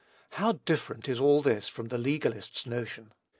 How different is all this from the legalist's notion!